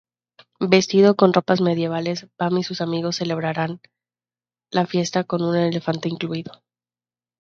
Vestidos con ropas medievales, Bam y sus amigos celebran la fiesta con elefante incluido.